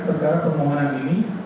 setelah permohonan ini